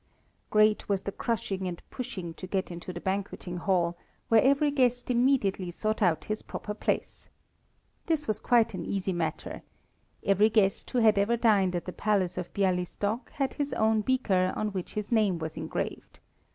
"] Great was the crushing and pushing to get into the banqueting hall, where every guest immediately sought out his proper place. This was quite an easy matter. Every guest who had ever dined at the Palace of Bialystok had his own beaker on which his name was engraved.